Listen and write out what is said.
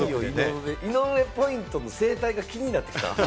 井上ポイントの生態が気になってきた。